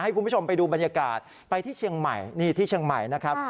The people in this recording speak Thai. คุณผู้ชมไปดูบรรยากาศไปที่เชียงใหม่นี่ที่เชียงใหม่นะครับ